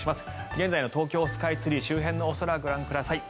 現在の東京スカイツリー周辺のお空ご覧ください。